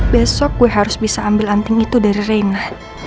besok gue harus bisa ambil anting itu dari reina